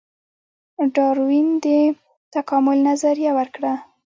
ډاروین د تکامل نظریه ورکړه